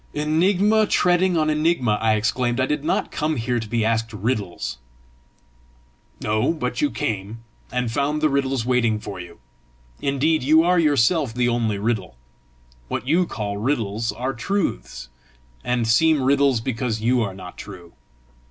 "Enigma treading on enigma!" I exclaimed. "I did not come here to be asked riddles." "No; but you came, and found the riddles waiting for you! Indeed you are yourself the only riddle. What you call riddles are truths, and seem riddles because you are not true."